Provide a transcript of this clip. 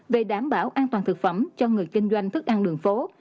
về đảm bảo an toàn thực phẩm cho người kinh doanh thức ăn đường phố